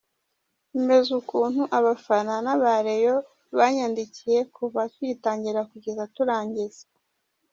imeze ukuntu abafana naba Rayon banyakiriye kuva tugitangira kugera turangiza.